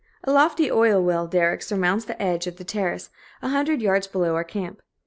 A lofty oil well derrick surmounts the edge of the terrace a hundred yards below our camp.